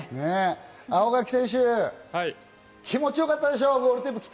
青柿選手、気持ちよかったでしょ？